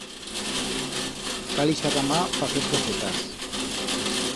Cal ixarramar pa fer trosetas.